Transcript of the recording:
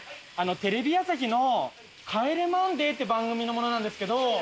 テレビ朝日の『帰れマンデー』という番組の者なんですけど。